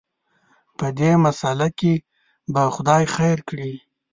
په دې مساله کې به خدای خیر کړي.